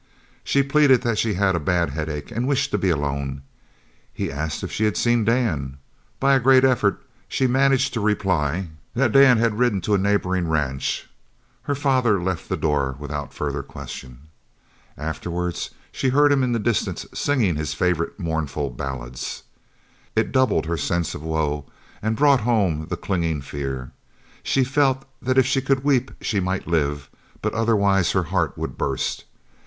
She pleaded that she had a bad headache and wished to be alone. He asked if she had seen Dan. By a great effort she managed to reply that Dan had ridden to a neighbouring ranch. Her father left the door without further question. Afterwards she heard him in the distance singing his favourite mournful ballads. It doubled her sense of woe and brought home the clinging fear. She felt that if she could weep she might live, but otherwise her heart would burst.